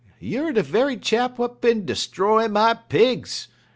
Yer de ve'y chap what been 'stroyin' my pigs.